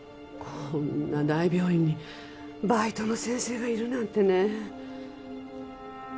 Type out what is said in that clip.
こんな大病院にバイトの先生がいるなんてね。